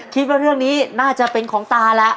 คิดว่าเรื่องนี้น่าจะเป็นของตาแล้ว